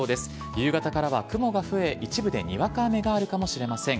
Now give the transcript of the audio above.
夕方からは雲が増え一部でにわか雨があるかもしれません。